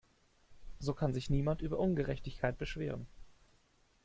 So kann sich niemand über Ungerechtigkeit beschweren.